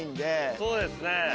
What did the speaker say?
そうですね。